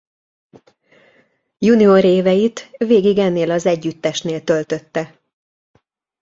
Junior éveit végig ennél az együttesnél töltötte.